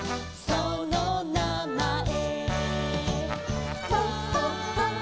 そのなまえ」